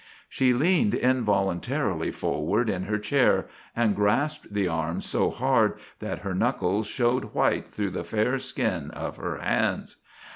She leaned involuntarily forward in her chair and grasped the arms so hard that her knuckles showed white through the fair skin of her hands.